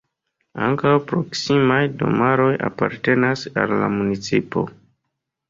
Ankaŭ proksimaj domaroj apartenas al la municipo.